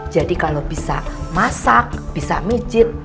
jadi kalau bisa masak bisa mijet